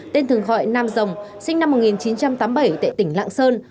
tên thường gọi nam dòng sinh năm một nghìn chín trăm tám mươi bảy tại tỉnh lạng sơn